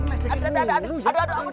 aduh aduh aduh amput